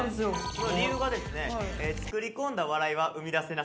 その理由がですね作り込んだ笑いは生み出せなさそう。